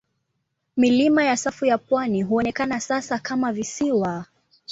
Milima ya safu ya pwani huonekana sasa kama visiwa.